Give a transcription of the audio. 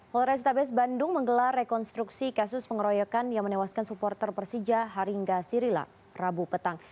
polrestabes bandung menggelar rekonstruksi kasus pengeroyokan yang menewaskan supporter persija haringga sirila rabu petang